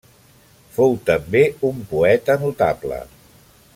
Fou també un poeta notable.